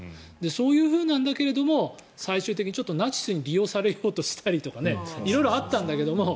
そういうのだけれども最終的にナチスに利用されようとしたり色々あったんだけども